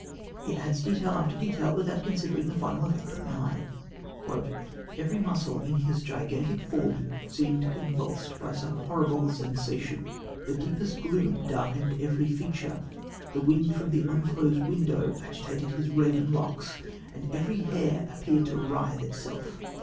He adds detail after detail without considering the final effect on the eye: "Every muscle in his gigantic form seemed convulsed by some horrible sensation; the deepest gloom darkened every feature; the wind from the unclosed window agitated his raven locks, and every hair appeared to writhe itself.